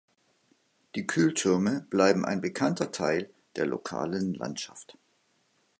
Die Kühltürme bleiben ein bekannter Teil der lokalen Landschaft.